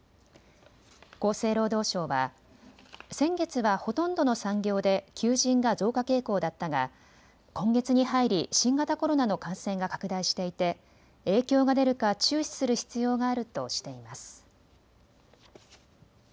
厚生労働省は先月は、ほとんどの産業で求人が増加傾向だったが今月に入り新型コロナの感染が拡大していて影響が出るか注視する必要があるとしています。